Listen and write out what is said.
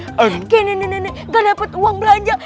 kayak nenek nenek gak dapet uang belanja